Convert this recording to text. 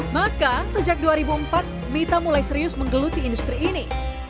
maka sejak dua ribu empat mita mulai serius menggeluti industri ini